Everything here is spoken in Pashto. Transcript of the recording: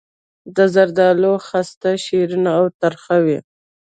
د زردالو خسته شیرین او تریخ وي.